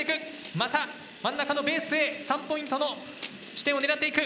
また真ん中のベースへ３ポイントの地点を狙っていく。